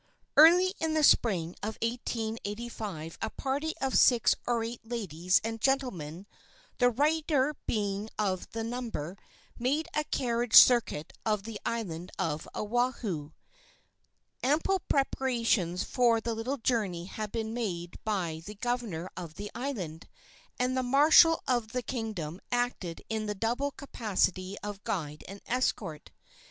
Early in the spring of 1885 a party of six or eight ladies and gentlemen the writer being of the number made a carriage circuit of the island of Oahu. Ample preparations for the little journey had been made by the governor of the island, and the marshal of the kingdom acted in the double capacity of guide and escort.